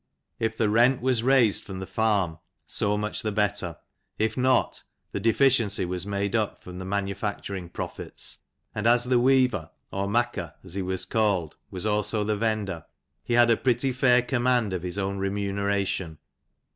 If the rent was ra V. from the farm, so much the hotter ; if not, the defi ciency was made up from the manufacturing profits ; and as the weaver, or makker, as he was called, was also the vendor, he had a pretty fair command of his own remuneration.